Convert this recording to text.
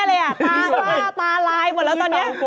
ตาล่าตาลายหมดแล้วตอนนี้